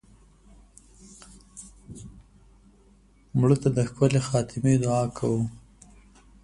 مړه ته د ښکلې خاتمې دعا کوو